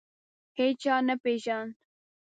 هیچا نه پېژاند.